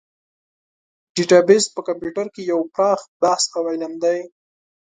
ډیټابیس په کمپیوټر کې یو پراخ بحث او علم دی.